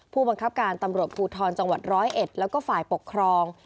ผู้บังคับการตำรวจภูทรจังหวัดร้อยเอ็ดแล้วก็ฝ่ายปกครอง